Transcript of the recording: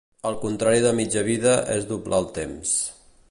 El contrari de mitja vida és doblar el temps.